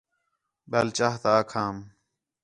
ٻِیال چاہ تا آکھام